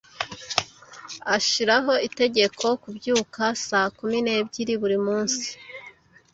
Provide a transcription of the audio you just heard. Ashiraho itegeko kubyuka saa kumi n'ebyiri buri munsi.